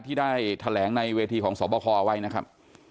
ที่ได้แถลงในเวทีของสวบคเอาไว้นะครับ